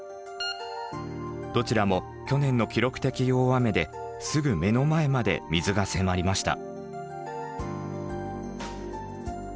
どちらも去年の記録的大雨ですぐ目の前まで水が迫りました。